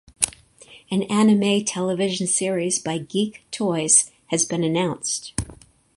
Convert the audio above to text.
An anime television series by Geek Toys has been announced.